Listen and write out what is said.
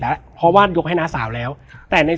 แล้วสักครั้งหนึ่งเขารู้สึกอึดอัดที่หน้าอก